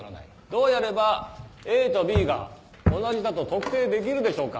どうやればＡとＢが同じだと特定できるでしょうか。